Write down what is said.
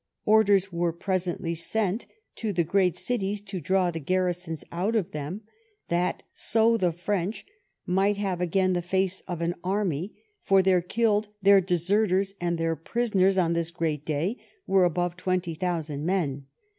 Orders were presently sent to the great cities, to draw the garrisons out of them, that so the French might have again the face of an army; for their killed, their deserters, and their prisoners, on this great day, were above twenty thousand men.